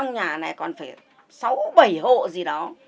nhà này còn phải sáu bảy hộ gì đó